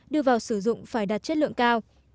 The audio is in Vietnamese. đưa vào sử dụng phải đạt chất lượng cao